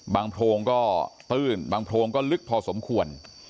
โพรงก็ตื้นบางโพรงก็ลึกพอสมควร